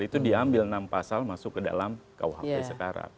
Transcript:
itu diambil enam pasal masuk ke dalam kuhp sekarang